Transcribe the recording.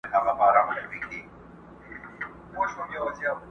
وطن له سره جوړوي بیرته جشنونه راځي٫